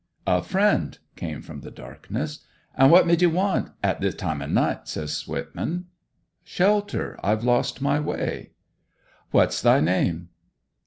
'A friend,' came from the darkness. 'And what mid ye want at this time o' night?' says Swetman. 'Shelter. I've lost my way.' 'What's thy name?'